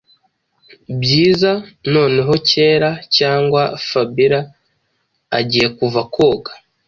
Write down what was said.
Byiza noneho kera, cyangwa fabila agiye kuva koga